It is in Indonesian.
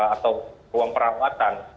atau ruang perawatan